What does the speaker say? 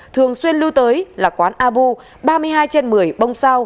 thường xuyên lưu tới là quán abu ba mươi hai trên một mươi bông sao